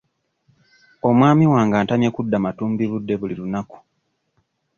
Omwami wange antamye kudda matumbi budde buli lunaku.